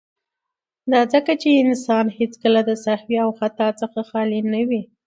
، دا ځکه چې انسان هيڅکله د سهو او خطا څخه خالي نه وي.